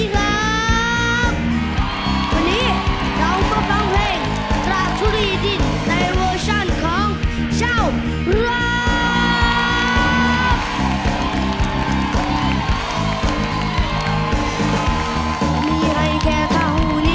ฟังร่างไปพร้อมกันฟังร่างไปพร้อมกัน